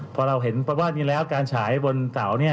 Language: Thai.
เพราะเราเห็นว่านี่แล้วการฉายบนเสานี่